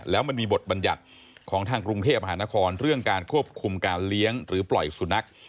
แล้วมันมีบทบัญญัติของทางกรุงเทพมหานครเรื่องการควบคุมการเลี้ยงหรือปล่อยสุนัข